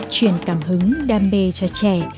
truyền cảm hứng đam mê cho trẻ